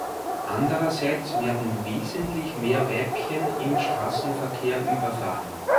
Andererseits werden wesentlich mehr Weibchen im Straßenverkehr überfahren.